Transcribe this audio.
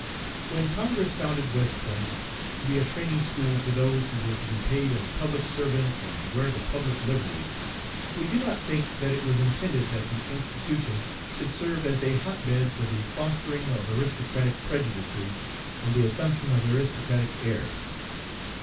"When Congress founded West Point, to be a training school for those who were to be paid as public servants and to wear the public livery, we do not think that it was intended that the institution should serve as a hotbed for the fostering of aristocratic prejudices and the assumption of aristocratic airs.